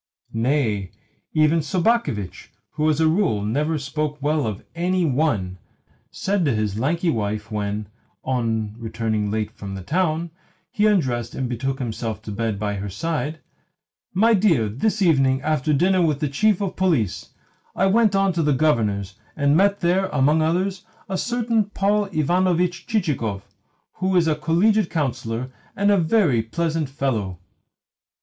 Nay, even Sobakevitch who as a rule never spoke well of ANY ONE said to his lanky wife when, on returning late from the town, he undressed and betook himself to bed by her side: "My dear, this evening, after dining with the Chief of Police, I went on to the Governor's, and met there, among others, a certain Paul Ivanovitch Chichikov, who is a Collegiate Councillor and a very pleasant fellow."